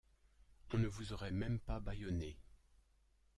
On ne vous aurait même pas bâillonné.